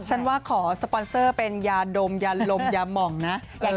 ฉันว่าขอสปอนเซอร์เป็นยาดมยาลมยาหม่องนะ